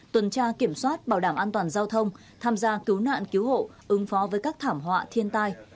tuần tra kiểm soát bảo đảm an toàn giao thông tham gia cứu nạn cứu hộ ứng phó với các thảm họa thiên tai